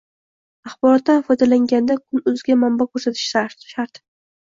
Axborotdan foydalanganda “Kun.uz”ga manba ko‘rsatish shart.